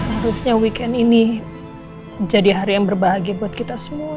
harusnya weekend ini jadi hari yang berbahagia buat kita semua